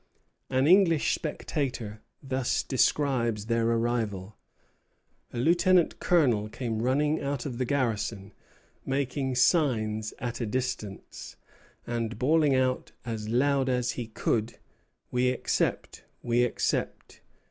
An English spectator thus describes their arrival: "A lieutenant colonel came running out of the garrison, making signs at a distance, and bawling out as loud as he could, 'We accept! We accept!'